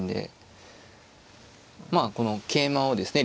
まあこの桂馬をですね